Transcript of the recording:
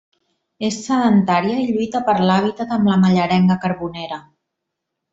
És sedentària i lluita per l'hàbitat amb la mallerenga carbonera.